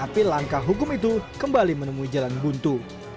maka hukum itu kembali menemui jalan buntu